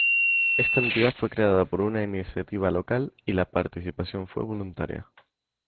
Esta entidad fue creada por una iniciativa local y la participación fue voluntaria.